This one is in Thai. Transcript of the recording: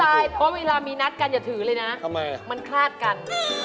คุณซายเพราะว่าเวลามีนัดกันอย่าถือเลยนะมันคราดกัน